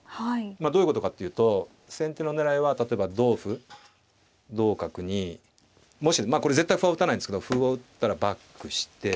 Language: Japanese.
どういうことかっていうと先手の狙いは例えば同歩同角にもしまあこれ絶対歩は打たないんですけど歩を打ったらバックして。